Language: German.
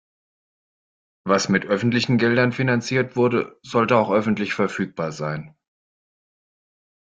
Was mit öffentlichen Geldern finanziert wurde, sollte auch öffentlich verfügbar sein.